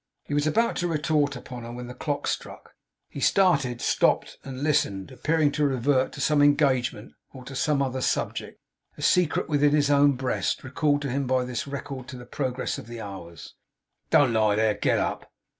He was about to retort upon her, when the clock struck. He started stopped, and listened; appearing to revert to some engagement, or to some other subject, a secret within his own breast, recalled to him by this record of the progress of the hours. 'Don't lie there! Get up!